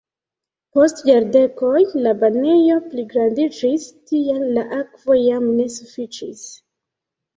Post jardekoj la banejo pligrandiĝis, tial la akvo jam ne sufiĉis.